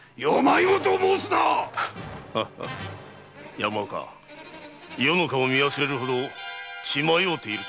山岡余の顔を見忘れるほど血迷うていると見えるな。